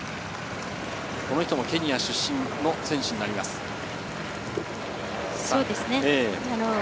この人もケニア出身の選手です。